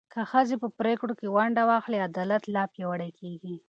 که ښځې په پرېکړو کې ونډه واخلي، عدالت لا پیاوړی کېږي.